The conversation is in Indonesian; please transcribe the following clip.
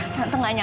tante gak nyaman